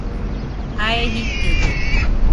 Jae jitɨde